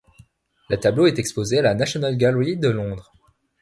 Le tableau est exposé à la National Gallery de Londres.